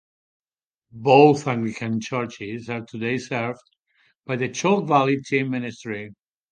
Both Anglican churches are today served by the Chalke Valley team ministry.